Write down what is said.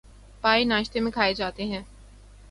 پائے ناشتے میں کھائے جاتے ہیں